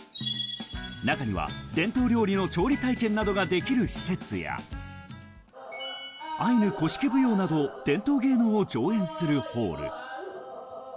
中には伝統料理の調理体験などができる施設やアイヌ古式舞踊など伝統芸能を上演するホール。